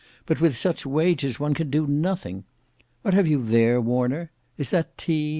But with such wages one can do anything. What have you there, Warner? Is that tea?